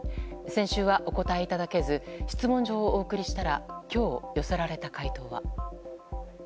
先週はお答えいただけず質問状をお送りしたら今日、寄せられた回答は。